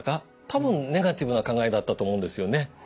多分ネガティブな考えだったと思うんですよね。